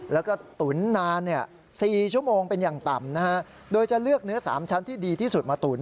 แล้วก็ตุ๋นนาน๔ชั่วโมงเป็นอย่างต่ำนะฮะโดยจะเลือกเนื้อ๓ชั้นที่ดีที่สุดมาตุ๋น